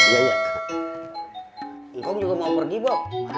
menang terserah ngomong melepaskan orang gini saja sih